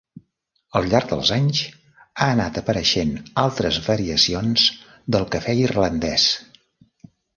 Al llarg dels anys, ha anat apareixent altres variacions del cafè irlandès.